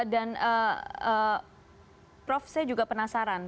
dan prof saya juga penasaran